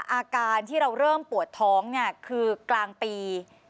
อาการที่เราเริ่มปวดท้องเนี่ยคือกลางปี